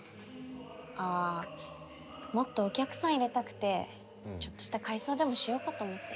ああもっとお客さん入れたくてちょっとした改装でもしようかと思って。